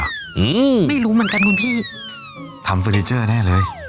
อืมไม่รู้เหมือนกันคุณพี่ทำเฟอร์นิเจอร์แน่เลย